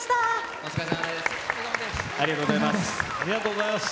お疲れさまです。